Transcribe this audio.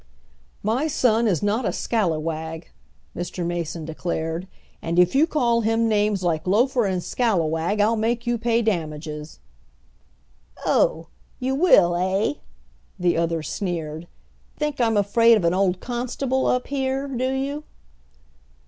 "My son is not a scallywag," Mr. Mason declared, "and if you call him names like loafer and scallywag I'll make you pay damages." "Oh! you will, eh?" the other sneered. "Think I'm afraid of an old constable up here, do you?"